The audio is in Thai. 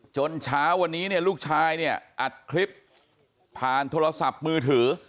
เช้าวันนี้เนี่ยลูกชายเนี่ยอัดคลิปผ่านโทรศัพท์มือถือ